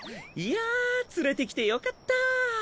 いや連れてきてよかった。